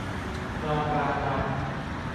นอนกลางวัน